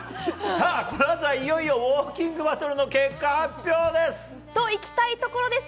さあ、このあとはいよいよウォーキングバトルの結果発表です！